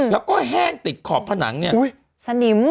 แล้วก็แห้งติดขอบผนังเนี่ยสนิม